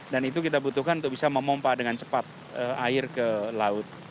dan itu kita butuhkan untuk bisa memompa dengan cepat air ke laut